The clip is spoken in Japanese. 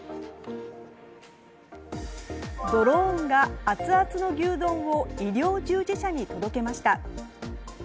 ドローンがアツアツの牛丼を医療従事者に届けました。